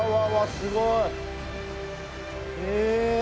すごい。え。